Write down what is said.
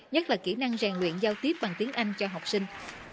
nhất là kỹ năng rèn luyện giao tiếp bằng tiếng anh cho học sinh